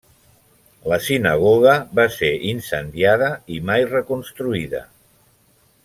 La sinagoga va ser incendiada i mai reconstruïda.